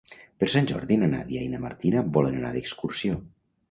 Per Sant Jordi na Nàdia i na Martina volen anar d'excursió.